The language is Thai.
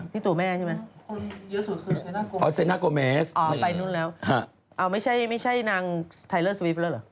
นี่ตั๋วแม่ใช่ไหมอ๋อเซน่าโกเมสไปนู่นแล้วไม่ใช่นางไทเลอร์สวีฟแล้วเหรอ